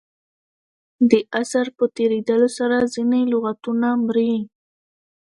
د عصر په تېرېدلو سره ځیني لغتونه مري.